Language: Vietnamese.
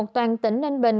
toàn tỉnh ninh bình